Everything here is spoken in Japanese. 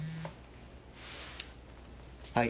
はい。